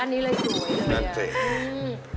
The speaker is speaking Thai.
อันนี้เลยฟูเหมือนเดียว